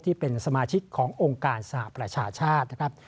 ที่เป็นสมาชิกขององค์การสหประชาชาตินะครับ